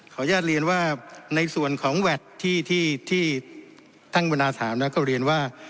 อนุญาตเรียนว่าในส่วนของแวดที่ท่านวนาถามแล้วก็เรียนว่า